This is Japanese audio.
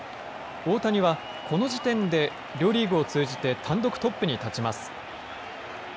大谷は、この時点で両リーグを通じて単独トップに立ちます。